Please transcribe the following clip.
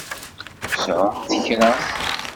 Sɛumt kra.